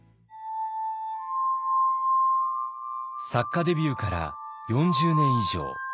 作家デビューから４０年以上。